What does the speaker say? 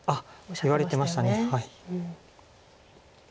言われてましたね。